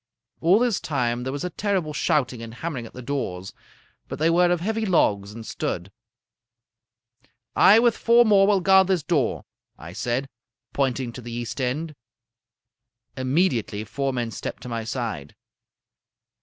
All this time there was a terrible shouting and hammering at the doors, but they were of heavy logs and stood. "'I with four more will guard this door,' I said, pointing to the east end. "Immediately four men stepped to my side.